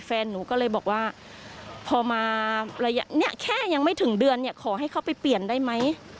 แฟนหนูก็เลยบอกว่าพอมาระยะนี้แค่ยังไม่ถึงเดือนเนี่ยขอให้เขาไปเปลี่ยนได้ไหม